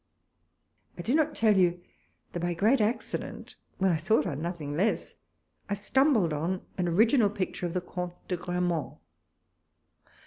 I did not tell you, that by great accident, when I thought on nothing less, I stumbled on an original picture of the Comte de Grammont.